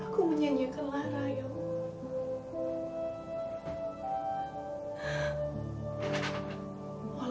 aku menyanyiakan lara ya allah